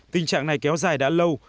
tình trạng này kéo dài đã lâu